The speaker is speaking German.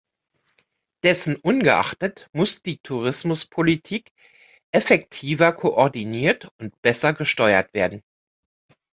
Dessen ungeachtet muss die Tourismuspolitik effektiver koordiniert und besser gesteuert werden.